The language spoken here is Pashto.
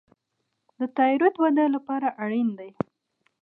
تایرویډ وده لپاره اړین دی.